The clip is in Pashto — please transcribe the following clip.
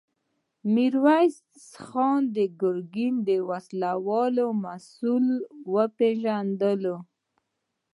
ميرويس خان د ګرګين د وسلو له مسوول سره وپېژندل.